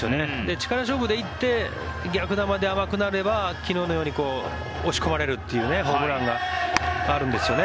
力勝負で行って逆球で甘くなれば昨日のように押し込まれるというホームランがあるんですよね。